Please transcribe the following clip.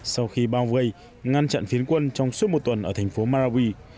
sau khi bao vây ngăn chặn phiến quân trong suốt một tuần ở thành phố marawi